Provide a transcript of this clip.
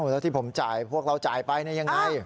แล้วที่ผมจ่ายพวกเราจ่ายไปยังไง